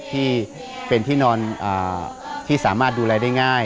ที่เป็นที่นอนที่สามารถดูแลได้ง่าย